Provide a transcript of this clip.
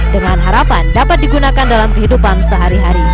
dengan harapan dapat digunakan dalam kehidupan sehari hari